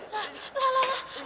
lah lah lah